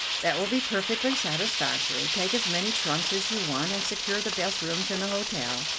"That will be perfectly satisfactory. Take as many trunks as you want, and secure the best rooms in the hotel."